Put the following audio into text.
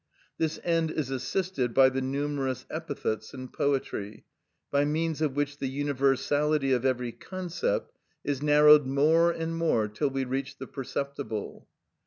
This end is assisted by the numerous epithets in poetry, by means of which the universality of every concept is narrowed more and more till we reach the perceptible.